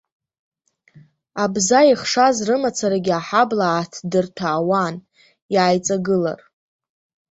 Абза ихшаз рымацарагьы аҳабла ааҭдырҭәаауан, иааиҵагылар.